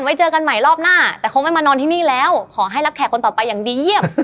ไว้เจอกันใหม่รอบหน้าแต่คงไม่มานอนที่นี่แล้วขอให้รับแขกคนต่อไปอย่างดีเยี่ยม